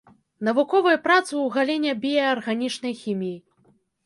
Навуковыя працы ў галіне біяарганічнай хіміі.